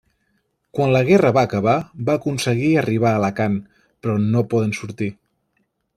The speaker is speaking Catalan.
Quan la guerra va acabar va aconseguir arribar a Alacant però no podent sortir.